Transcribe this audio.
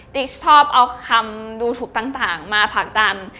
ติ๊กชอบเอาคำดูถูกต่างมาผลักดัน